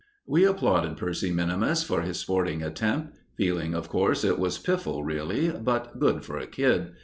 We applauded Percy minimus for his sporting attempt, feeling of course, it was piffle really, but good for a kid.